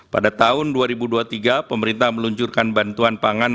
pada tahun dua ribu dua puluh tiga pemerintah meluncurkan bantuan pangan